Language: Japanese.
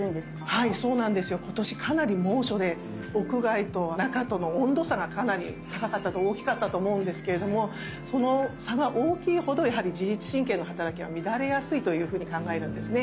はいそうなんですよ。今年かなり猛暑で屋外と中との温度差がかなり高かったと大きかったと思うんですけれどもその差が大きいほど自律神経のはたらきが乱れやすいというふうに考えるんですね。